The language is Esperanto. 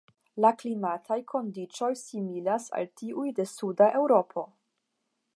La klimataj kondiĉoj similas al tiuj de suda Eŭropo.